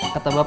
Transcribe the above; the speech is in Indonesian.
kata bapak kau